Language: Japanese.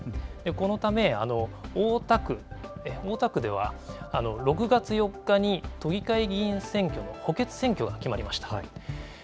このため、大田区では、６月４日に都議会議員選挙の補欠選挙が決まりました。